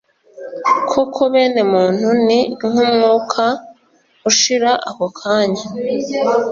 koko bene muntu ni nk'umwuka ushira ako kanya